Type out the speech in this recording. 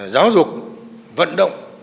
giáo dục vận động